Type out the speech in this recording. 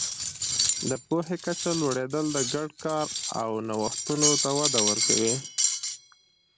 د پوهې کچه لوړېدل د ګډ کار او نوښتونو ته وده ورکوي.